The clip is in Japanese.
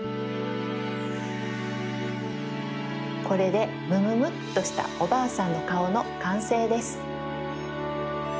これでむむむっとしたおばあさんのかおのかんせいです。